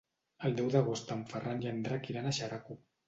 El deu d'agost en Ferran i en Drac iran a Xeraco.